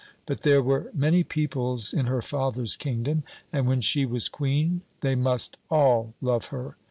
But there were many peoples in her father's kingdom, and when she was Queen they must all love her.